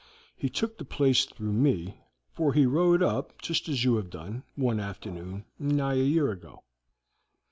He took the place through me, for he rode up just as you have done, one afternoon, nigh a year ago.